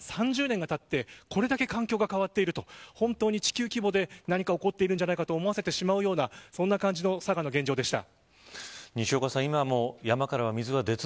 そういった意味で言うと私が住んでいたころから３０年がたってこれだけ環境が変わっていると地球規模で何か起こっているんじゃないかと思わせてしまうようなそんな感じの佐賀の現状でした。